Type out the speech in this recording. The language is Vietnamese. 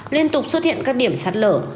liên tục xuất hiện các điểm sạt lở